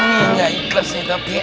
iya ikhlas sedap ya